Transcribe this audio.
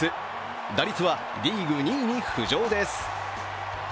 打率はリーグ２位に浮上です。